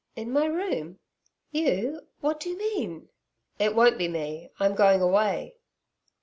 'In my room YOU? What do you mean?' 'It won't be me I'm going away.'